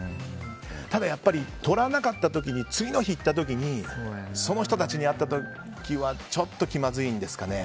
ただ、やっぱりとらなかった時に次の日行った時にその人たちに会った時はちょっと気まずいんですかね。